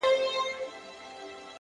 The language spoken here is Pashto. زما د زړه کوتره،